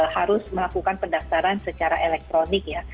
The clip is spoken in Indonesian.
harus melakukan pendaftaran secara elektronik ya